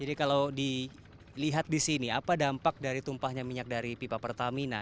kalau dilihat di sini apa dampak dari tumpahnya minyak dari pipa pertamina